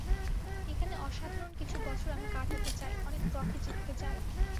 এখানে অসাধারণ কিছু বছর আমি কাটাতে চাই, অনেক ট্রফি জিততে চাই।